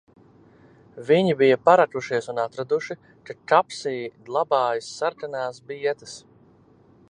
Viņi bija parakušies un atraduši, ka kapsī glabājas sarkanās bietes.